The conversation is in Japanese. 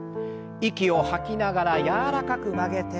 息を吐きながら柔らかく曲げて。